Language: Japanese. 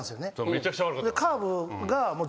めちゃくちゃ悪かった。